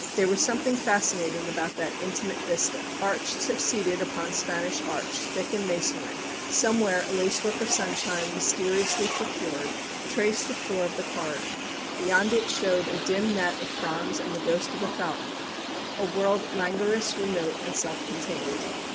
There was something fascinating about that intimate vista. Arch succeeded upon Spanish arch, thick in masonry; somewhere a lacework of sunshine mysteriously procured, traced the floor of the corridor; beyond it showed a dim net of fronds and the ghost of a fountain a world languorous, remote, and self contained."